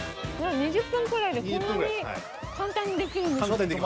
２０分ぐらいでこんなに簡単にできるんですね。